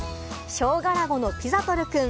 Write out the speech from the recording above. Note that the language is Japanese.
ショウガラゴのピザトルくん。